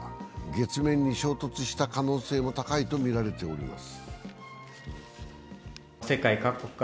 月面に衝突した可能性も高いとみられています。